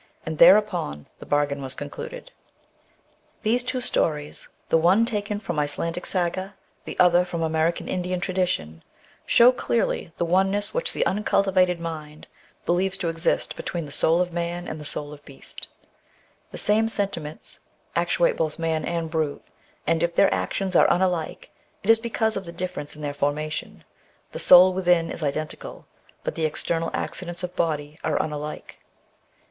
And thereupon the bargain was concluded." 160 THE BOOK OF WERE WOLVES. These two stories, the one taken from Icelandic saga, the other from American Indian tradition, shew clearly the oneness which the uncultivated mind believes to exist between the soul of man and the soul of beast. The same sentiments actuate both man and brute, and if their actions are unlike, it is because of the difference in their formation. The soul within is identical, but the external accidents of body are unlike.